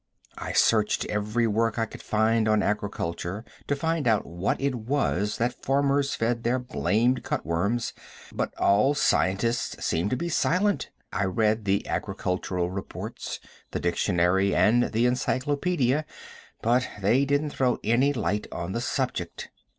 I searched every work I could find on agriculture to find out what it was that farmers fed their blamed cut worms, but all scientists seemed to be silent. I read the agricultural reports, the dictionary, and the encyclopedia, but they didn't throw any light on the subject.